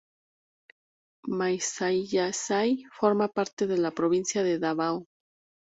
Magsaysay forma parte de la provincia de Davao.